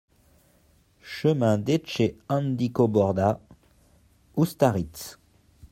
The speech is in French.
Chemin d'Etxehandikoborda, Ustaritz